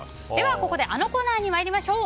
ここであのコーナーに参りましょう。